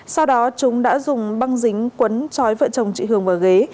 sau đó chúng đã dùng băng dính quấn trói vợ chồng chị hường vào ghế